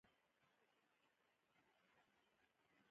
پنېر د ماښام خوراک کې هم کارېږي.